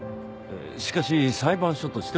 しかし裁判所としては。